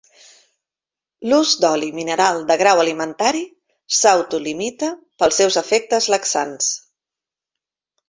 L'ús d'oli mineral de grau alimentari s'auto limita pels seus efectes laxants.